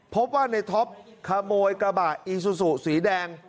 พบว่าในท็อปขโมยกระบะอีซูซูสีแดง